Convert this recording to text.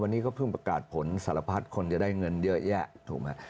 วันนี้เขาเพิ่งประกาศผลสารพัดคนจะได้เงินเยอะแยะถูกไหม